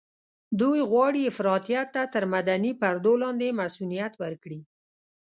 دوی غواړي افراطيت ته تر مدني پردو لاندې مصؤنيت ورکړي.